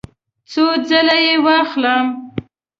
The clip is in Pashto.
څو ځله یی واخلم؟